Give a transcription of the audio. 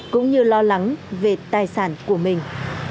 cũng như lo lắng về tài sản của mình